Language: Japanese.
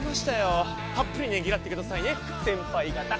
たっぷりねぎらってくださいね先輩方！